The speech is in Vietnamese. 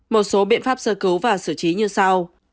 một số biện pháp sơ cứu và xử trí như sau